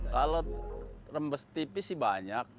kalau rembes tipis sih banyak